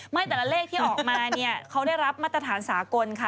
แต่ละเลขที่ออกมาเนี่ยเขาได้รับมาตรฐานสากลค่ะ